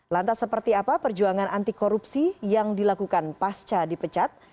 lantas seperti apa perjuangan anti korupsi yang dilakukan pasca dipecat